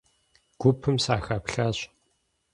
Гупым сахэплъащ.